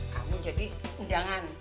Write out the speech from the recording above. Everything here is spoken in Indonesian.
kamu jadi undangan